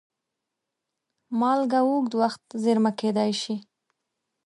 مالګه اوږد وخت زېرمه کېدای شي.